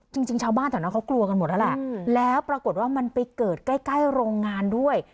จริงชาวบ้านแถวนั้นเขากลัวกันหมดแล้วแหละแล้วปรากฏว่ามันไปเกิดใกล้ใกล้โรงงานด้วย